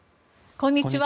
こんにちは。